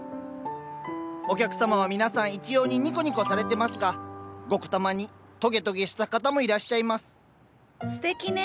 お客様は皆さん一様にニコニコされてますがごくたまにトゲトゲした方もいらっしゃいますすてきね。